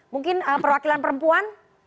mungkin perwakilan perempuan